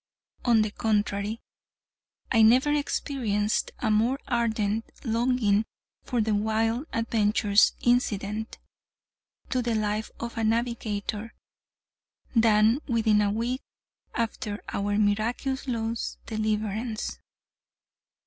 On the contrary, I never experienced a more ardent longing for the wild adventures incident to the life of a navigator than within a week after our miraculous deliverance.